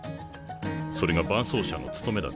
それが伴走者の務めだからな。